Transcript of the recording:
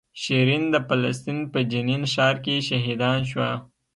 شیرین د فلسطین په جنین ښار کې شهیدان شوه.